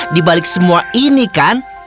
dibalik semua ini kan